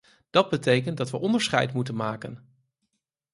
Dat betekent dat we onderscheid moeten maken!